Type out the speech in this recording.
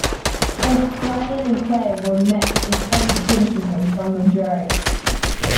Both Brian and Clay were met with heavy criticism from the jury.